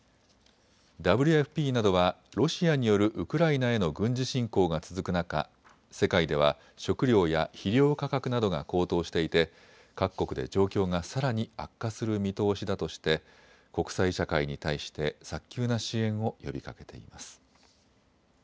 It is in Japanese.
ＷＦＰなどはロシアによるウクライナへの軍事侵攻が続く中、世界では食糧や肥料価格などが高騰していて各国で状況がさらに悪化する見通しだとして国際社会に対して早急な支援を呼びかけています。